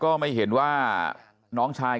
กระดิ่งเสียงเรียกว่าเด็กน้อยจุดประดิ่ง